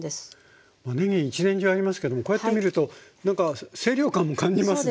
ねぎ一年中ありますけどもこうやって見るとなんか清涼感感じますね。